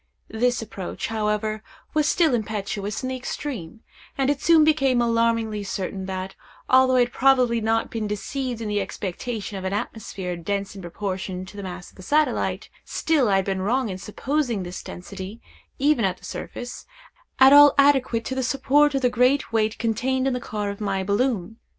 This approach, however, was still impetuous in the extreme; and it soon became alarmingly certain that, although I had probably not been deceived in the expectation of an atmosphere dense in proportion to the mass of the satellite, still I had been wrong in supposing this density, even at the surface, at all adequate to the support of the great weight contained in the car of my balloon.